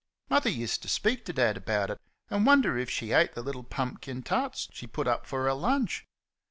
Mother used to speak to Dad about it, and wonder if she ate the little pumpkin tarts she put up for her lunch.